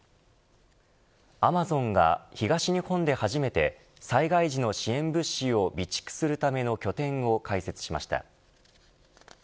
アマゾンが、東日本で初めて災害時の支援物資を備蓄するための拠点を開設しました。